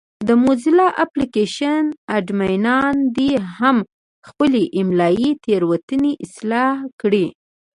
د موزیلا اپلېکشن اډمینان دې هم خپلې املایي تېروتنې اصلاح کړي.